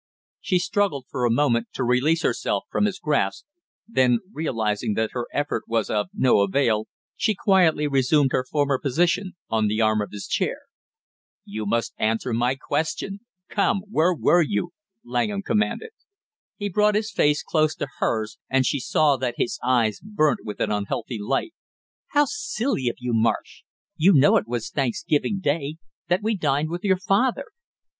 She struggled for a moment to release herself from his grasp, then realizing that her effort was of no avail, she quietly resumed her former position on the arm of his chair. "You must answer my question, come where were you?" Langham commanded. He brought his face close to hers and she saw that his eyes burnt with an unhealthy light. "How silly of you, Marsh, you know it was Thanksgiving day, that we dined with your father."